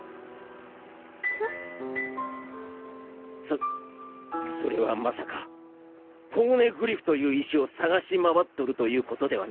そそれはまさかポーネグリフという石を探し回っとるということではねえか？